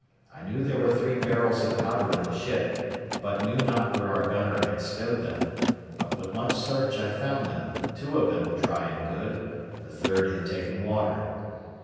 I knew there were three barrels of powder in the ship, but knew not where our gunner had stowed them; but with much search I found them, two of them dry and good, the third had taken water.